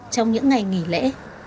trong những ngày nghỉ lễ